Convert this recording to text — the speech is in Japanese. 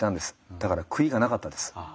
だから悔いがなかったです。